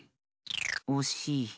おしい。